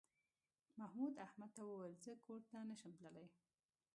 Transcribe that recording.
محمود احمد ته وویل زه کور ته نه شم تللی.